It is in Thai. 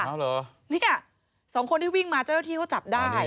นี่ค่ะ๒คนที่วิ่งมาเจ้าหน้าที่ก็จับได้